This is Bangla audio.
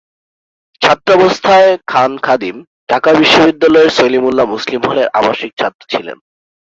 ছাত্রাবস্থায় খান খাদিম ঢাকা বিশ্ববিদ্যালয়ের সলিমুল্লাহ মুসলিম হলের আবাসিক ছাত্র ছিলেন।